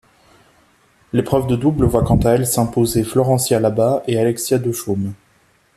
L'épreuve de double voit quant à elle s'imposer Florencia Labat et Alexia Dechaume.